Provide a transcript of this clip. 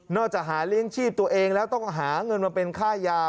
จะหาเลี้ยงชีพตัวเองแล้วต้องหาเงินมาเป็นค่ายา